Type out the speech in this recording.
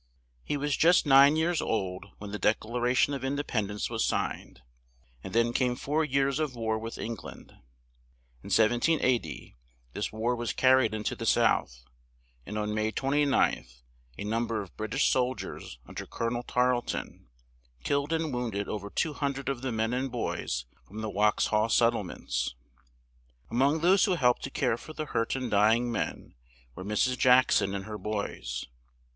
He was just nine years old when the Dec la ra tion of In de pend ence was signed, and then came four years of war with Eng land. In 1780 this war was car ried into the South, and on May 29th a number of Brit ish sol diers un der Colo nel Tarle ton killed and wounded over 200 of the men and boys from the Wax haw set tle ments. A mong those who helped to care for the hurt and dy ing men were Mrs. Jack son and her boys.